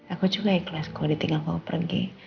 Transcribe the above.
aku juga ikhlas kalo ditinggalin kau pergi